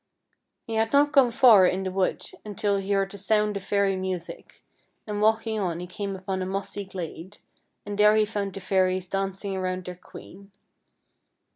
He had not gone far in the wood until he heard the sound of fairy music, and walking on he came upon a mossy glade, and there he found the fairies dancing around their queen.